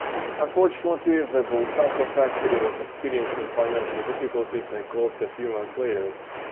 Unfortunately, the Bultaco factory was experiencing financial difficulties and closed a few months later.